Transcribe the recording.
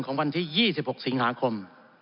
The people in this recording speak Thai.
วันที่๒๖สิงหาคม